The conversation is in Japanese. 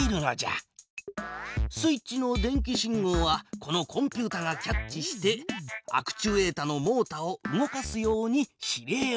スイッチの電気信号はこのコンピュータがキャッチしてアクチュエータのモータを動かすように指令を出す。